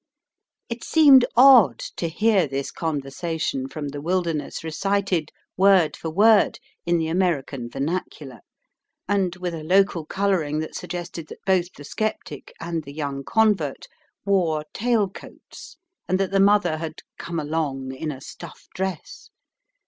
It seemed odd to hear this conversation from the Wilderness recited, word for word, in the American vernacular, and with a local colouring that suggested that both the sceptic and the young convert wore tail coats, and that the mother had "come along" in a stuff dress.